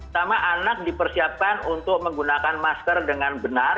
sama anak dipersiapkan untuk menggunakan masker dengan benar